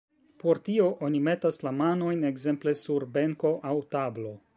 Por tio oni metas la manojn ekzemple sur benko aŭ tablo.